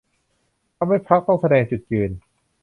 ทำให้พรรคต้องแสดงจุดยืน